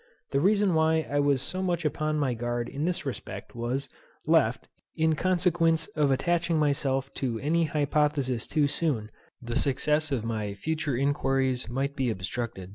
The reason why I was so much upon my guard in this respect was, left, in consequence of attaching myself to any hypothesis too soon, the success of my future inquiries might be obstructed.